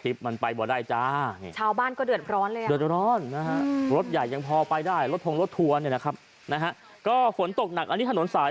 คอยไปพอได้แล้วจ้านั่นท่วมจ้า